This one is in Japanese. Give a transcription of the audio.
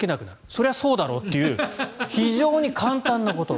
それはそうだろうという非常に簡単なこと。